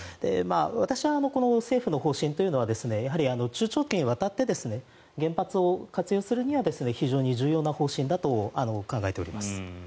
私はこの政府の方針というのはやはり中長期にわたって原発を活用するには非常に重要な方針だと考えております。